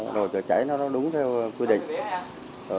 đồ cháy nó đúng theo quy định